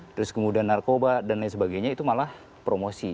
terus kemudian narkoba dan lain sebagainya itu malah promosi